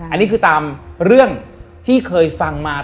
อันนี้คือตามเรื่องที่เคยฟังมา